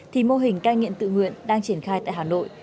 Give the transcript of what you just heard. thì mô hình cai nghiện tự nguyện đang triển khai tại hà nội